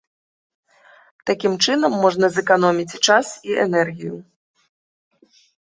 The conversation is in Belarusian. Такім чынам можна зэканоміць і час, і энергію.